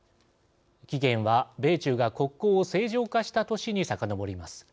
期限は米中が国交を正常化した年にさかのぼります。